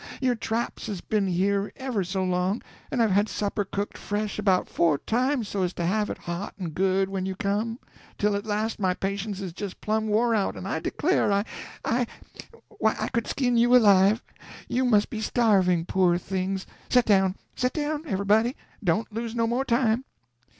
Your traps has been here ever so long, and I've had supper cooked fresh about four times so as to have it hot and good when you come, till at last my patience is just plumb wore out, and I declare I—I—why I could skin you alive! You must be starving, poor things!—set down, set down, everybody; don't lose no more time."